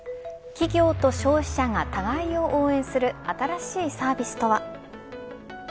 企業と消費者が互いを応援する新しいサービスとは。